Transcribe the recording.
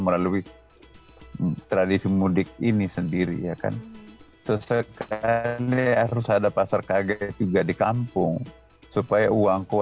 melalui tradisi mudik ini sendiri ya kan sesekali harus ada pasar kaget juga di kampung supaya uangku